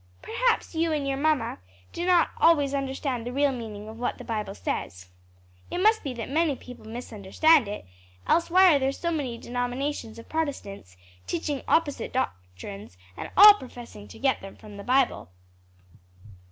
"Perhaps you and your mamma do not always understand the real meaning of what the Bible says. It must be that many people misunderstand it, else why are there so many denominations of Protestants, teaching opposite doctrines, and all professing to get them from the Bible?"